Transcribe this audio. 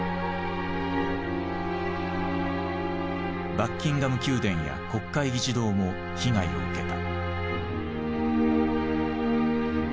バッキンガム宮殿や国会議事堂も被害を受けた。